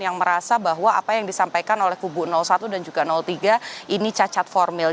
yang merasa bahwa apa yang disampaikan oleh kubu satu dan juga tiga ini cacat formil